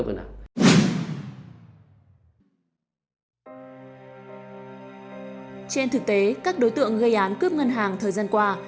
trên thực tế các đối tượng gây án cướp ngân hàng thời gian qua